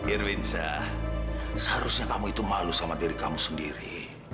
irwinsa seharusnya kamu itu malu sama diri kamu sendiri